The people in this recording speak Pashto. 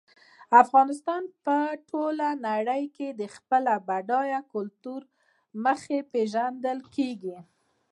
افغانستان په ټوله نړۍ کې د خپل بډایه کلتور له مخې پېژندل کېږي.